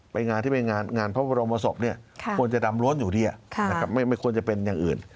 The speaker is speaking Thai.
งานที่ไปงานพระบรมศพควรจะดำล้วนอยู่ดีไม่ควรจะเป็นอย่างอื่น